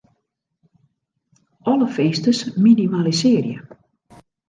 Alle finsters minimalisearje.